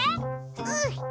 うん！